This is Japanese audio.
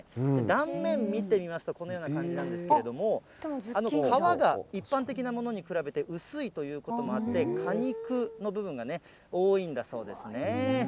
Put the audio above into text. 断面見てみますと、このような感じなんですけれども、皮が、一般的なものに比べて薄いということもあって、果肉の部分が多いんだそうですね。